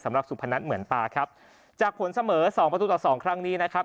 สุพนัทเหมือนตาครับจากผลเสมอสองประตูต่อสองครั้งนี้นะครับ